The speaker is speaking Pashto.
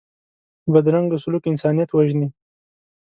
بدرنګه سلوک انسانیت وژني